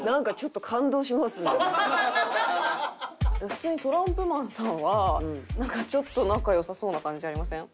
普通にトランプマンさんはちょっと仲良さそうな感じありません？